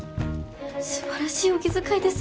素晴らしいお気遣いです。